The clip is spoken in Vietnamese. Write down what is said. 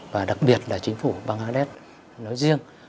và đặc biệt là chính phủ bangladesh nói riêng